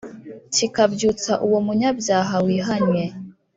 , kikabyutsa uwo munyabyaha wihannye